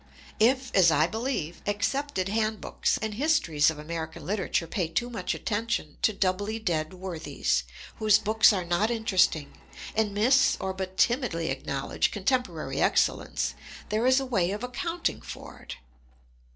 If , as I believe, accepted handbooks and histories of Ameri can literature ^ay too much attention to doubly dead worthies, whose books are not interesting, and miss or but timidly acknowledge contemporary excellence, there is a way of accounting for it.